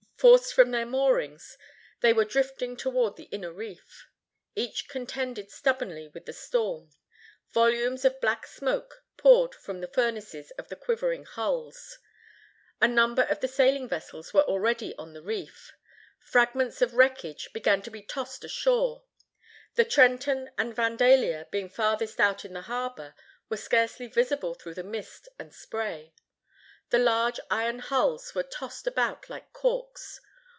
Forced from their moorings, they were drifting toward the inner reef. Each contended stubbornly with the storm. Volumes of black smoke poured from the furnaces of the quivering hulls. A number of the sailing vessels were already on the reef. Fragments of wreckage began to be tossed ashore. The Trenton and Vandalia, being farthest out in the harbor, were scarcely visible through the mist and spray. The large iron hulls were tossed about like corks.